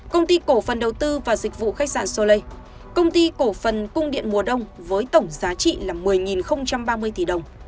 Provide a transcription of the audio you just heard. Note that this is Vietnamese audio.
công ty cổ phần đầu tư và dịch vụ khách sạn solei công ty cổ phần cung điện mùa đông với tổng giá trị là một mươi ba mươi tỷ đồng